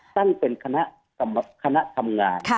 ตั้งเป็นคณะทำงาน